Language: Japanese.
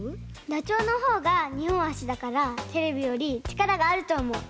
ダチョウのほうがにほんあしだからテレビよりちからがあるとおもう。